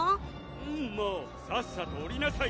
んっもうさっさと降りなさい！